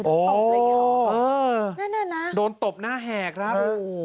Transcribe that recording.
โอ้โหโดนตบหน้าแห่กครับ